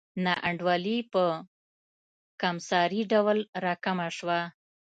نا انډولي په کمسارې ډول راکمه شوه.